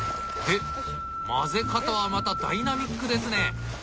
で混ぜ方はまたダイナミックですね！